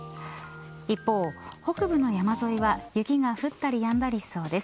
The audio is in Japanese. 一方、北部の山沿いは雪が降ったりやんだりしそうです。